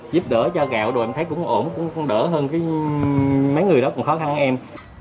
giúp đỡ cho gạo đồ em thấy cũng ổn cũng đỡ hơn mấy người đó cũng khó khăn hơn em